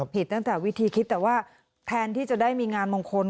ตั้งแต่วิธีคิดแต่ว่าแทนที่จะได้มีงานมงคล